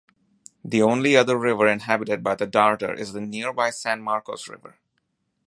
The only other river inhabited by the darter is the nearby San Marcos River.